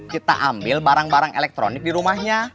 kita ambil barang barang elektronik di rumahnya